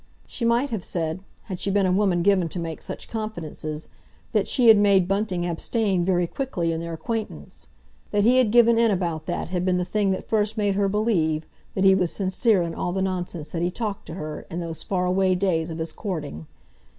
She might have said, had she been a woman given to make such confidences, that she had made Bunting abstain very early in their acquaintance. That he had given in about that had been the thing that first made her believe, that he was sincere in all the nonsense that he talked to her, in those far away days of his courting.